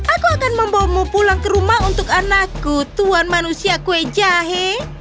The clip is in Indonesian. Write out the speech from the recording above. aku akan membawamu pulang ke rumah untuk anakku tuan manusia kue jahe